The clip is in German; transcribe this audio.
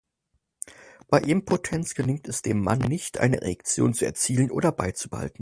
Bei Impotenz gelingt es dem Mann nicht, eine Erektion zu erzielen oder beizubehalten.